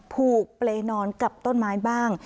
ผูกเปรย์นอนกับต้นไม้บ้าง